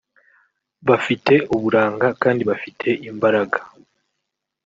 bafite uburanga kandi bafite imbaraga